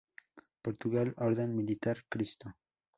Portugal: Orden Militar Cristo.